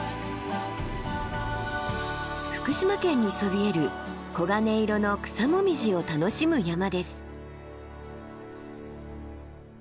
福島県にそびえる黄金色の草紅葉を楽しむ山です。